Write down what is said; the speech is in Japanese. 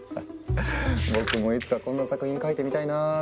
僕もいつかこんな作品描いてみたいなって。